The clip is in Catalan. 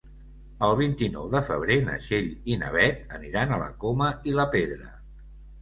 El vint-i-nou de febrer na Txell i na Beth aniran a la Coma i la Pedra.